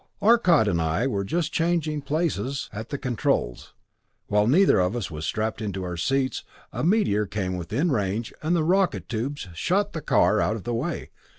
Arcot and I were just changing places at the controls. While neither of us was strapped into our seats, a meteor came within range and the rocket tubes shot the car out of the way.